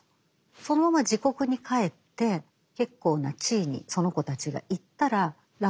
そのまま自国に帰って結構な地位にその子たちがいったら楽なんですね。